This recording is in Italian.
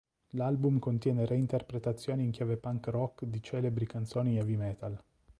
L'album contiene reinterpretazioni in chiave punk rock di celebri canzoni heavy metal.